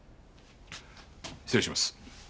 失礼します。